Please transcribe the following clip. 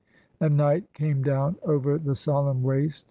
And night came down over the solemn waste.